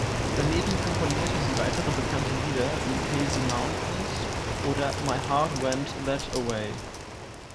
Daneben komponierte sie weitere bekannte Lieder wie "Hazy Mountains" oder "My Heart went That-A-Way".